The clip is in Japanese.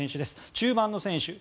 中盤の選手。